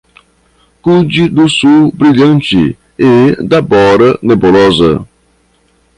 Cuide do sul brilhante e da bora nebulosa.